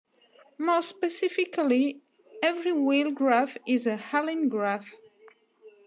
More specifically, every wheel graph is a Halin graph.